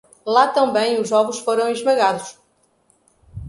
Lá também os ovos foram esmagados.